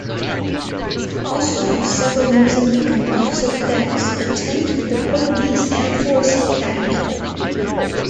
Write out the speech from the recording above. Also, several Mozambican officer cadets attend the Portuguese Air Force Academy.